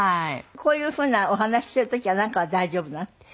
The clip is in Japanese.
こういうふうなお話ししている時やなんかは大丈夫なの？